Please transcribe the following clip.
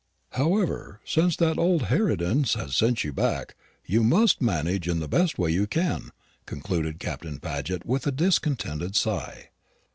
However, since that old harridan has sent you back, you must manage in the best way you can," concluded Captain Paget with a discontented sigh.